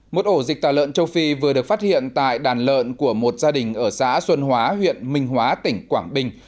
một ổ dịch tà lợn châu phi vừa được phát hiện tại đàn lợn của một gia đình ở xã xuân hóa huyện minh hóa tỉnh quảng bình